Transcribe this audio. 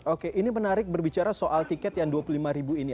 oke ini menarik berbicara soal tiket yang dua puluh lima ribu ini